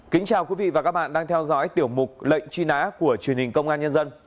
kính chào quý vị và các bạn đang theo dõi tiểu mục lệnh truy nã của truyền hình công an nhân dân